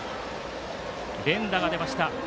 連打が出ました。